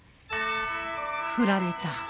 振られた。